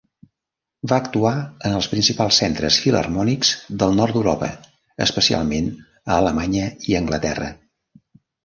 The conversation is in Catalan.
Va actuar en els principals centres filharmònics del nord d'Europa, especialment a Alemanya i Anglaterra.